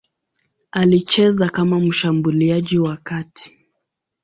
Alicheza kama mshambuliaji wa kati.